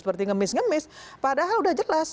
seperti ngemis ngemis padahal udah jelas